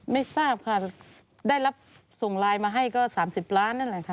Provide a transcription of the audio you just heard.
ไม่ทราบค่ะได้รับส่งไลน์มาให้ก็๓๐ล้านนั่นแหละค่ะ